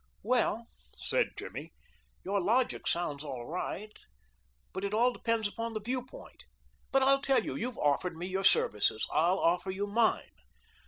"Well," said Jimmy, "your logic sounds all right, but it all depends upon the viewpoint. But I'll tell you: you've offered me your services; I'll offer you mine.